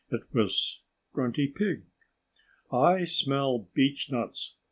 It was Grunty Pig. "I smell beechnuts!"